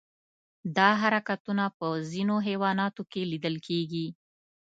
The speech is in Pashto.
دا حرکتونه په ځینو حیواناتو کې لیدل کېږي.